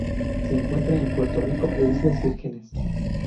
Se encuentra en Puerto Rico e Islas Vírgenes.